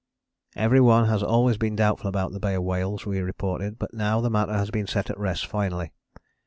Every one has always been doubtful about the Bay of Whales we reported, but now the matter has been set at rest finally.